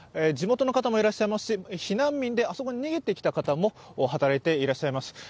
地元の方もいらっしゃいますし、避難民であそこに逃げてきた方も働いていらっしゃいます。